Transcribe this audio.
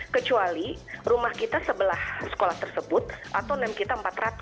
kecuali rumah kita sebelah sekolah tersebut atau nam kita empat ratus